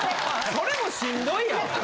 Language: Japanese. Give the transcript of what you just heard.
それもしんどいやん。